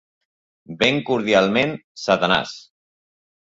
Ben cordialment, Satanàs.